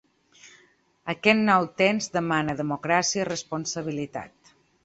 Aquest nou temps demana democràcia i responsabilitat.